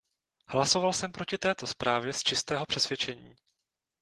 Hlasoval jsem proti této zprávě z čistého přesvědčení.